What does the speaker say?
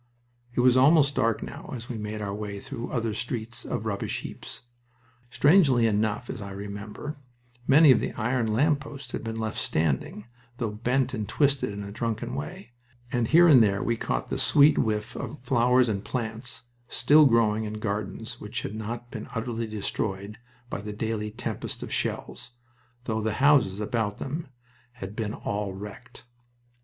It was almost dark now as we made our way through other streets of rubbish heaps. Strangely enough, as I remember, many of the iron lamp posts had been left standing, though bent and twisted in a drunken way, and here and there we caught the sweet whiff of flowers and plants still growing in gardens which had not been utterly destroyed by the daily tempest of shells, though the houses about them had been all wrecked.